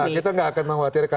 nah kita tidak akan mengkhawatirkan